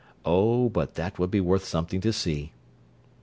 Oh, but that would be worth something to see!"